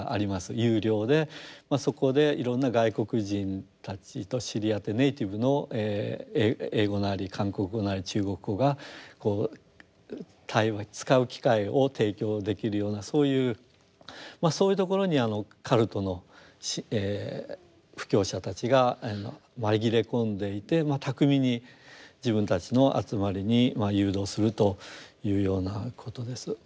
有料でそこでいろんな外国人たちと知り合ってネイティブの英語なり韓国語なり中国語がこう対話使う機会を提供できるようなそういうそういうところにカルトの布教者たちが紛れ込んでいて巧みに自分たちの集まりに誘導するというようなことです。